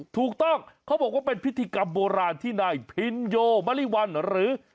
ถูกต้องเขาบอกว่าเป็นพิธีกรรมโบราณที่นายพินโยมริวัลหรือ